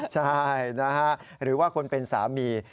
ใช่นะฮะหรือว่าคนเป็นสามี